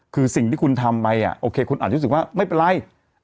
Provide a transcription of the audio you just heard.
คือสิ่งที่คุณทำไปอาจรู้สึกว่าไม่เป็นไร